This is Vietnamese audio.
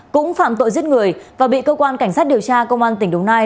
cũng phạm tội giết người và bị cơ quan cảnh sát điều tra công an tỉnh đồng nai